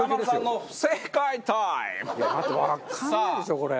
待ってわかんないでしょこれ。